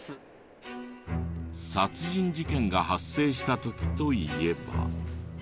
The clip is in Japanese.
殺人事件が発生したときといえば。